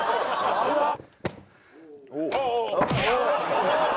危なっ！